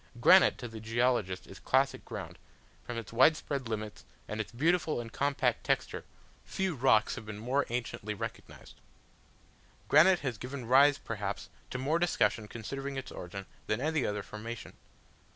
Granite to the geologist is classic ground: from its widespread limits, and its beautiful and compact texture, few rocks have been more anciently recognised. Granite has given rise, perhaps, to more discussion concerning its origin than any other formation.